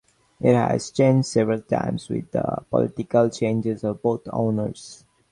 It has changed several times with the political changes of both owners.